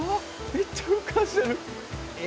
めっちゃふかしてる。